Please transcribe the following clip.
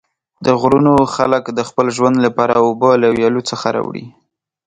د غرونو خلک د خپل ژوند لپاره اوبه له ویالو څخه راوړي.